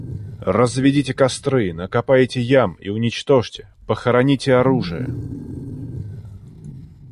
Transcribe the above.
Разведите костры, накопайте ям и уничтожьте, похороните оружие.